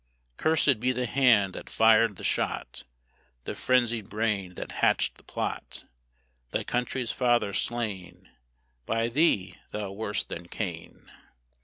Cursed be the hand that fired the shot, The frenzied brain that hatched the plot, Thy country's Father slain By thee, thou worse than Cain!